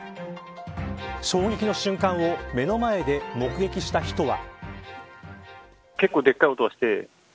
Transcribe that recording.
衝撃の瞬間を目の前で目撃した人は。